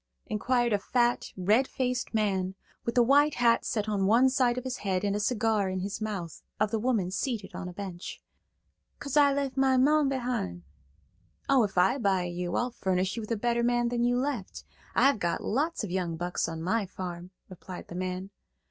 inquired a fat, red faced man, with a white hat set on one side of his head and a cigar in his mouth, of the woman seated on a bench. "'Cause I left my mon behin'." "Oh, if I buy you, I'll furnish you with a better man than you left. I've got lots of young bucks on my farm," replied the man.